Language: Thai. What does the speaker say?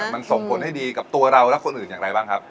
มันส่งผลให้ดีกับตัวเราและคนอื่นอย่างไรบ้างครับ